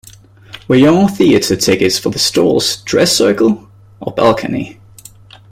Were your theatre tickets for the stalls, dress circle or balcony?